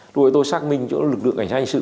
rồi tôi xác minh cho lực lượng cảnh sát hành sự